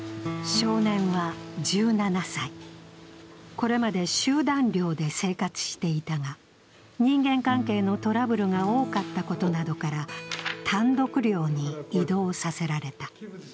これまで集団寮で生活していたが人間関係のトラブルが多かったことなどから、単独寮に移動させられた。